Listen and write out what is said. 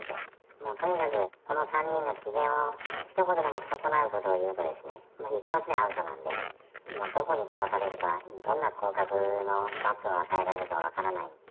もうとにかくこの３人の機嫌をひと言でも損なうことを言うとですね、もう一発でアウトなんで、どこに飛ばされるか、どんな降格の罰を与えられるか分からない。